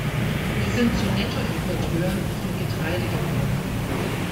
Wir sind zu Nettoimporteuren von Getreide geworden.